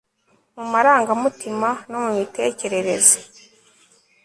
mu marangamutima no mitekerereze